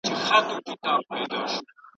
هغه د اسلامي شريعت د تطبیق موضوع هم څېړلې ده.